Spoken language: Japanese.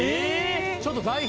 ちょっと代表。